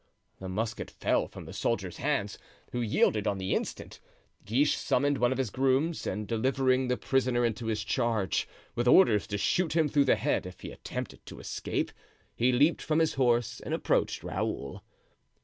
The musket fell from the soldier's hands, who yielded on the instant. Guiche summoned one of his grooms, and delivering the prisoner into his charge, with orders to shoot him through the head if he attempted to escape, he leaped from his horse and approached Raoul.